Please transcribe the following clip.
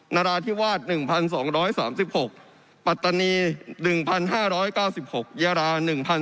นราธิวาส๑๒๓๖ปัตตนี๑๕๙๖เยลา๑๔๒๓